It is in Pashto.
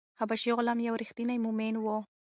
حبشي غلام یو ریښتینی مومن و.